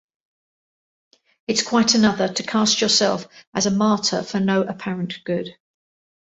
It's quite another to cast yourself as a martyr for no apparent good.